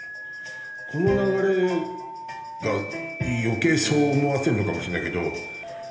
この流れがよけいそう思わせるのかもしれないけど